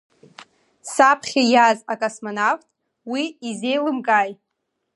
Саԥхьа иааз акосмонавт уи изеилымкааи?